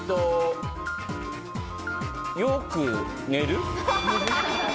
よく寝る。